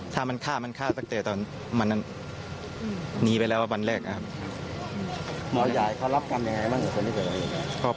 ถ้ามันฆ่ามันฆ่าตั้งแต่ตอนนี้ไปแล้วว่าวันแรกครับ